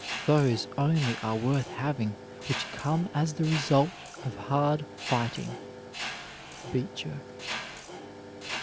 Those only are worth having which come as the result of hard fighting. BEECHER.